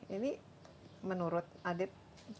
ini menurut adit